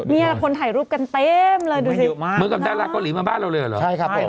เนี่ยคนถ่ายรูปกันเต็มเลยดูสิเหมือนกับดาราเกาหลีมาบ้านเราเลยเหรอใช่ครับผม